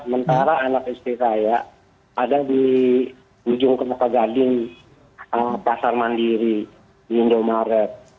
sementara anak istri saya ada di ujung kelapa gading pasar mandiri indomaret